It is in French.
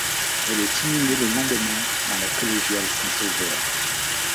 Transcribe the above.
Elle est inhumée le lendemain dans la collégiale Saint-Sauveur.